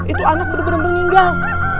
itu anak bener bener nginggal